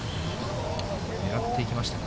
狙っていきましたが。